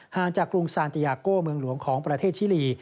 จากกรุงซานติยาโก้เมืองหลวงของประเทศชิลี